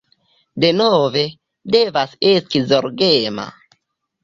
Denove, devas esti zorgema